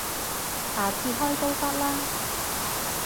下次開都得啦